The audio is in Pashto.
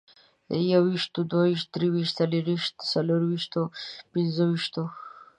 يوويشتو، دوه ويشتو، درويشتو، څلرويشتو، څلورويشتو، پنځه ويشتو